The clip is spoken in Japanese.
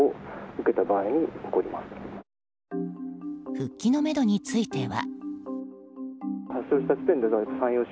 復帰のめどについては。